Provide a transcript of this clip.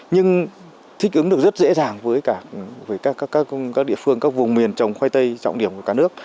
nhưng thích ứng được rất dễ dàng với cả các địa phương các vùng miền trồng khoai tây trọng điểm của cả nước